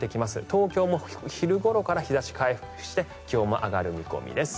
東京も昼頃から日差しが回復して気温も上がる見込みです。